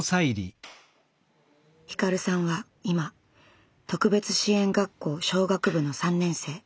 ひかるさんは今特別支援学校小学部の３年生。